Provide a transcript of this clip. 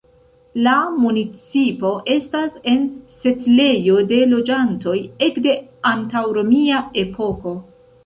La municipo estas en setlejo de loĝantoj ekde antaŭromia epoko.